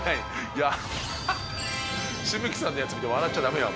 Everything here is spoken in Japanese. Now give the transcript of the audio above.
紫吹さんのやつ見て笑っちゃ駄目よ